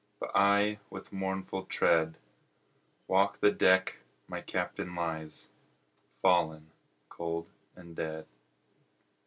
But I with mournful tread, Walk the deck my Captain lies, Fallen Cold and Dead.